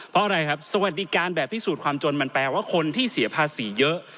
เพราะอะไรครับสวัสดิการแบบพิสูจน์ความจนมันแปลว่าคนที่เสียภาษีเยอะ